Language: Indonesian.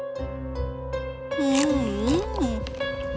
acapan yang terbaik